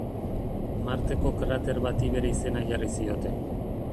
Marteko krater bati bere izena jarri zioten.